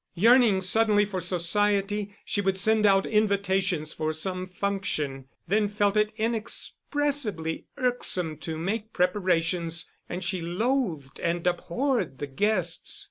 Yearning suddenly for society, she would send out invitations for some function; then felt it inexpressibly irksome to make preparations, and she loathed and abhorred her guests.